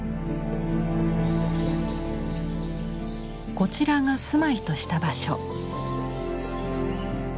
こちらが住まいとした場所。